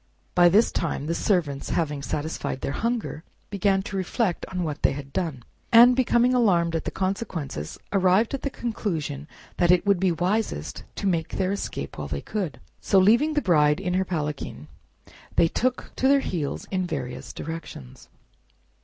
By this time the servants, having satisfied their hunger, began to reflect on what they had done, and becoming alarmed at the consequences, arrived at the conclusion it would be wisest to make their escape while they could. So, leaving the Bride in her palanquin, they took to their heels in various directions.